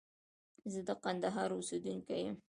زه د کندهار اوسيدونکي يم.